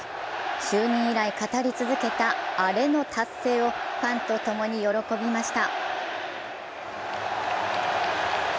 就任以来語りつづけたアレの達成をファンとともに喜びました。